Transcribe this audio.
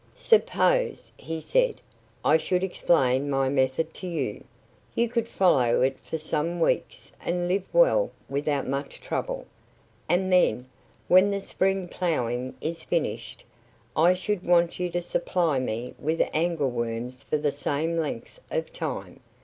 "Suppose," he said, "I should explain my method to you. You could follow it for some weeks and live well without much trouble. And then when the spring ploughing is finished I should want you to supply me with angleworms for the same length of time.